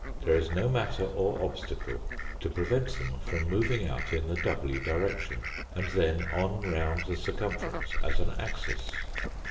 There is no matter or obstacle to prevent them Fig. 12 (140). f rom moving out in the w direction, and then on round the circumference as an axis.